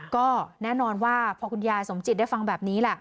ก็แน่นอนว่าพอคุณยายสมจิตได้ฟังแบบนี้แหละ